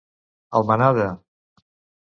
Al manar de.